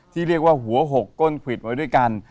ที่เรียกว่าหัวหกก้นควิดไว้ด้วยกัน